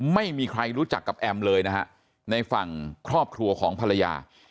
ไม่มีใครรู้จักกับแอมเลยนะฮะในฝั่งครอบครัวของภรรยา